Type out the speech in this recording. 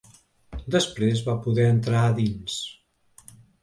Després va poder entrar dins.